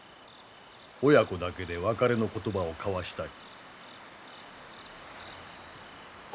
親子だけで別れの言葉を交わしたい。